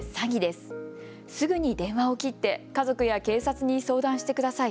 すぐに電話を切って家族や警察に相談してください。